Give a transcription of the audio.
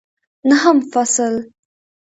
نهم فصل